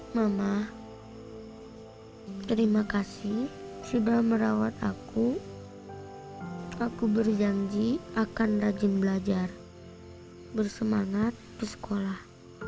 mama terima kasih sudah merawat aku aku berjanji akan rajin belajar bersemangat ke sekolah